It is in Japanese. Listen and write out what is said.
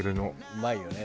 うまいよね。